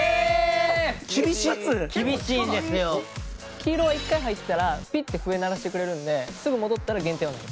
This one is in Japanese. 黄色は一回入ったらピッて笛鳴らしてくれるんですぐ戻ったら減点はない